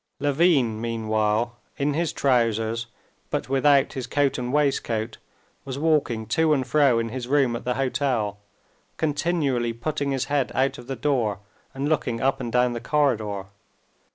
Levin meanwhile, in his trousers, but without his coat and waistcoat, was walking to and fro in his room at the hotel, continually putting his head out of the door and looking up and down the corridor.